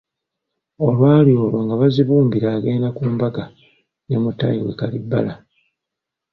Olwali olwo nga Bazibumbira agenda ku mbaga ne mutaayi we Kalibbala.